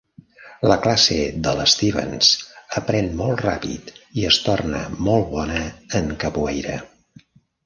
La classe del Stevens aprèn molt ràpid i es torna molt bona en Capoeira.